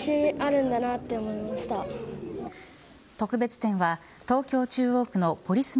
特別展は東京、中央区のポリス